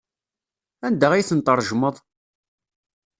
Anda ay ten-tṛejmeḍ?